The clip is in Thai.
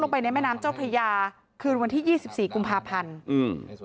ไปในแม่น้ำเจ้าพระยาคืนวันที่ยี่สิบสี่กุมภาพันธ์อืม